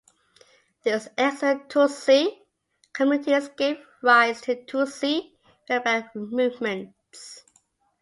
These exile Tutsi communities gave rise to Tutsi rebel movements.